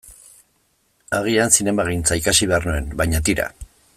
Agian zinemagintza ikasi behar nuen, baina tira.